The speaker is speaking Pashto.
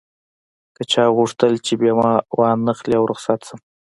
که چا غوښتل چې بيمه و نه اخلي او رخصت شم.